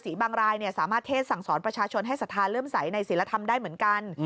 ว่าฤษีบังรายสามารถเทสสั่งสอนประชาชนให้สถานเริ่มใสในศิลธรรมได้เหมือนกัน